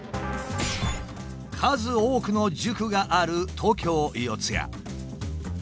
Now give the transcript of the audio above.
数多くの塾がある東京四谷。